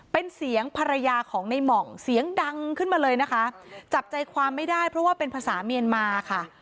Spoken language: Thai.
เป็นเสียงภรรยาของในหม่องเสียงดังขึ้นมาเลยนะคะจับใจความไม่ได้เพราะว่าเป็นภาษาเมียนมาค่ะ